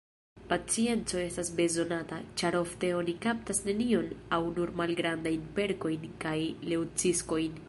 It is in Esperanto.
Pacienco estas bezonata, ĉar ofte oni kaptas nenion aŭ nur malgrandajn perkojn kaj leŭciskojn.